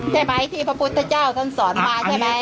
ใช่ไหมที่พระพุทธเจ้าท่านสอนมาใช่ไหม